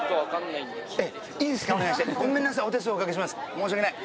・申し訳ない。